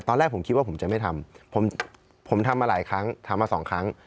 ตอนแรกผมคิดว่าผมจะไม่ทำผมทำมาหลายครั้งทำมาสองครั้ง